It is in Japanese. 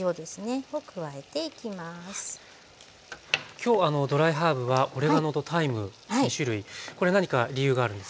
今日ドライハーブはオレガノとタイム２種類これ何か理由があるんですか？